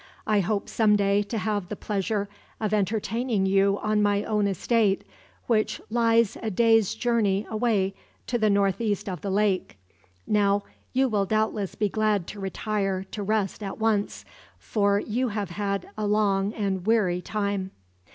I hope some day to have the pleasure of entertaining you on my own estate, which lies a day's journey away to the northeast of the lake. Now, you will doubtless be glad to retire to rest at once, for you have had a long and weary time."